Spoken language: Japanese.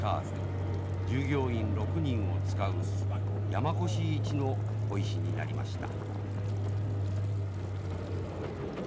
従業員６人を使う山古志一の鯉師になりました。